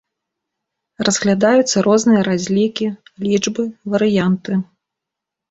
Разглядаюцца розныя разлікі, лічбы, варыянты.